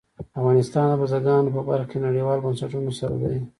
افغانستان د بزګانو په برخه کې نړیوالو بنسټونو سره دی.